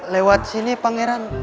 lewat sini pangeran